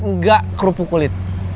nggak kerupu kulit